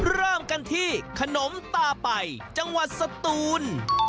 เริ่มกันที่ขนมตาไปจังหวัดสตูน